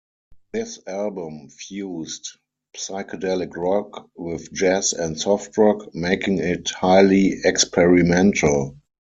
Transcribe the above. This album fused psychedelic rock with jazz and soft rock, making it highly experimental.